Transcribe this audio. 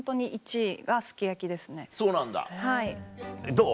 どう？